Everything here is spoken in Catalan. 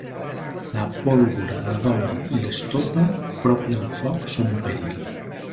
La pólvora, la dona i l'estopa, prop del foc són un perill.